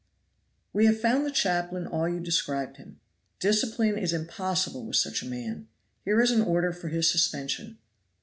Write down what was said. "We have found the chaplain all you described him. Discipline is impossible with such a man; here is an order for his suspension."